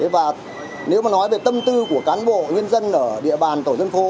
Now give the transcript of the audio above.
và nếu mà nói về tâm tư của cán bộ nhân dân ở địa bàn tổ dân phố